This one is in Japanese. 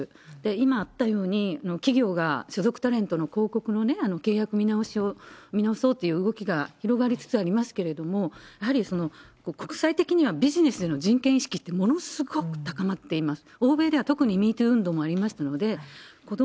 今あったように、企業が所属タレントの広告の契約見直しを、見直そうっていう動きが広がりつつありますけれども、やはり国際的にはビジネスへの人権意識ってものすごく高まっています。